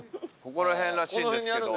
ここら辺らしいんですけど。